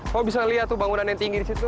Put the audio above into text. kamu bisa liat tuh bangunan yang tinggi disitu